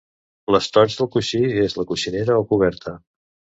L'estoig del coixí és la coixinera o coberta.